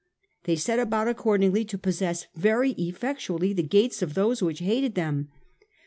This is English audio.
They set about accordingly to possess very effectually the gates of those which hated them.